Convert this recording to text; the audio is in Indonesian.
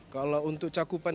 kalau untuk cakupan